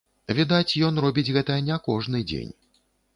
Відаць, ён робіць гэта не кожны дзень.